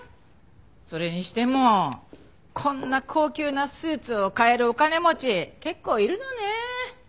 それにしてもこんな高級なスーツを買えるお金持ち結構いるのね。